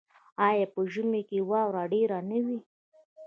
آیا په ژمي کې واوره ډیره نه وي؟